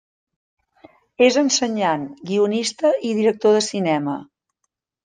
És ensenyant, guionista i director de cinema.